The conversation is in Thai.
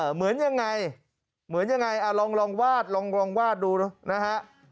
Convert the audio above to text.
เหมือนยังไงลองวาดดูนะฮะ